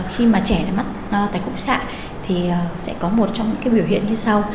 khi mà trẻ mắc tật khúc xạ thì sẽ có một trong những biểu hiện như sau